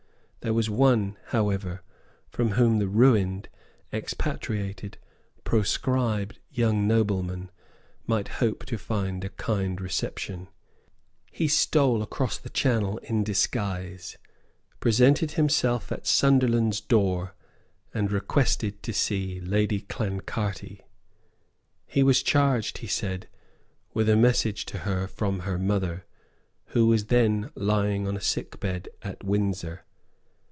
There was one, however, from whom the ruined, expatriated, proscribed young nobleman might hope to find a kind reception. He stole across the Channel in disguise, presented himself at Sunderland's door, and requested to see Lady Clancarty. He was charged, he said, with a message to her from her mother, who was then lying on a sick bed at Windsor.